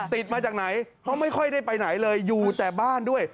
ติดมาจากไหนเพราะไม่ค่อยได้ไปไหนเลยอยู่แต่บ้านด้วย